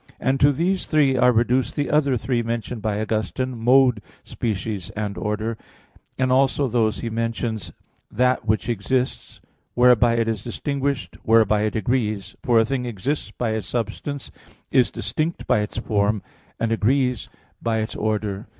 And to these three are reduced the other three mentioned by Augustine (De Nat. Boni iii), "mode," species, and "order," and also those he mentions (QQ. 83, qu. 18): "that which exists; whereby it is distinguished; whereby it agrees." For a thing exists by its substance, is distinct by its form, and agrees by its order.